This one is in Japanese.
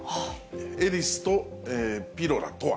エリスとピロラとは？